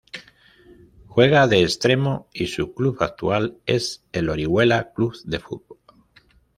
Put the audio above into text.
Juega de extremo y su club actual es el Orihuela Club de Fútbol.